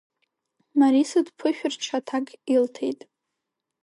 Мариса дԥышәырччо аҭак илҭеит.